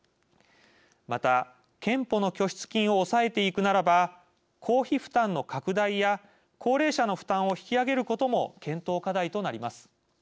また健保の拠出金を抑えていくならば公費負担の拡大や高齢者の負担を引き上げることも検討課題となります。